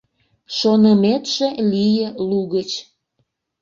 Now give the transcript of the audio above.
Шоныметше лие лугыч